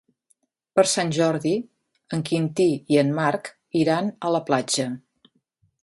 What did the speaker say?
Per Sant Jordi en Quintí i en Marc iran a la platja.